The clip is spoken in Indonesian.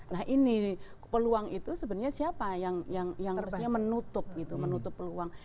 nah ini peluang itu sebenarnya siapa yang mestinya menutup gitu menutup peluang